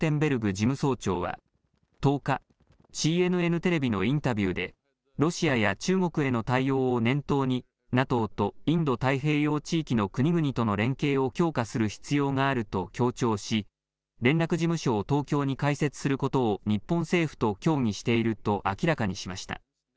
事務総長は１０日、ＣＮＮテレビのインタビューでロシアや中国への対応を念頭にＮＡＴＯとインド太平洋地域の国々との連携を強化する必要があると強調し連絡事務所を東京に開設することを日本政府と協議していると明らかにしました。